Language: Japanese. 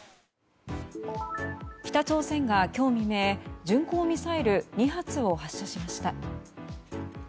北朝鮮が今日未明巡航ミサイル２発を発射しました。